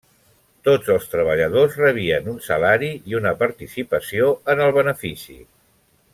Tots els treballadors rebien un salari i una participació en el benefici.